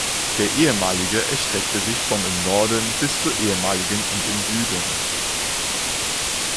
Der ehemalige erstreckte sich vom im Norden bis zur ehemaligen und im Süden.